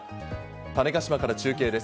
種子島から中継です。